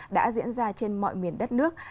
đã diễn ra trên mọi miền đất nước